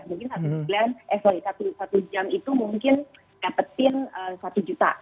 mungkin satu jam itu mungkin dapetin satu juta